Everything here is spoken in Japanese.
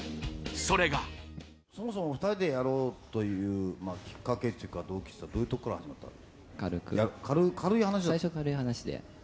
それがタモリ：そもそも２人でやろうというきっかけというか動機といったらどういうところから始まったの？